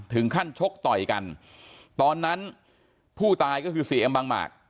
ชกต่อยกันตอนนั้นผู้ตายก็คือเสียเอ็มบางหมาก